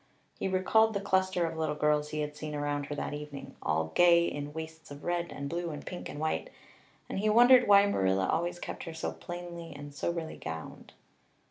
He recalled the cluster of little girls he had seen around her that evening all gay in waists of red and blue and pink and white and he wondered why Marilla always kept her so plainly and soberly gowned.